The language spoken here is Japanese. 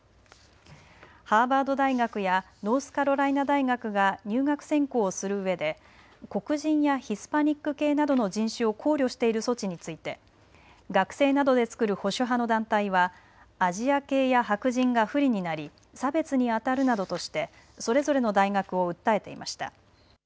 ハーバード大学やノースカロライナ大学が入学選考をするうえで黒人やヒスパニック系などの人種を考慮している措置について学生などで作る保守派の団体はアジア系や白人が不利になり差別にあたるなどとしてそれぞれの大学を訴えていました。